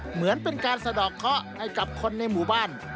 เหมือนเป็นการสะดอกเคาะให้กับคนในหมู่บ้าน